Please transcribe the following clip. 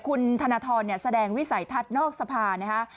คุณธนทรแสดงวิสัยทัศน์นอกสภานะฮะ